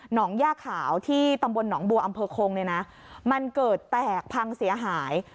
งย่าขาวที่ตำบลหนองบัวอำเภอคงเนี่ยนะมันเกิดแตกพังเสียหาย